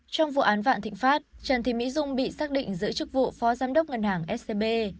trong vụ án vạn thịnh pháp trần thị mỹ dung bị xác định giữ chức vụ phó giám đốc ngân hàng scb